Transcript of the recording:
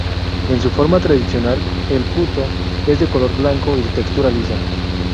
En su forma tradicional, el "puto" es de color blanco y de textura lisa.